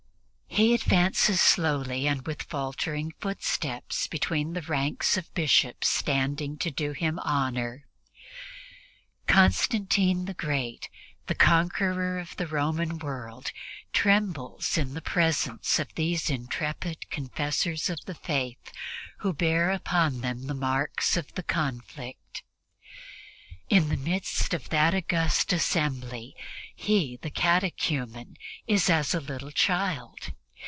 He advances slowly and with faltering footsteps between the ranks of Bishops standing to do him honor. Constantine the Great, the conqueror of the Roman world, trembles in the presence of these intrepid Confessors of the Faith who bear upon them the marks of the conflict. In the midst of that august assembly he, the catechumen, is as a little child.